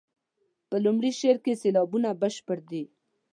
په لومړي شعر کې سېلابونه بشپړ دي.